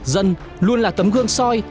dân luôn là tấm gương soi